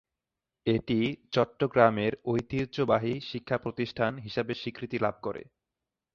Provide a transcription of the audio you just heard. এটি চট্টগ্রামের ঐতিহ্যবাহী শিক্ষাপ্রতিষ্ঠান হিসেবে স্বীকৃতি লাভ করে।